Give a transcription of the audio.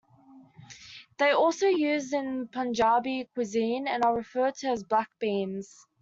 They are also used in Punjabi cuisine and are referred to as black beans.